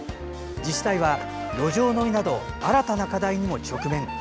自治体は路上飲みなど新たな課題にも直面。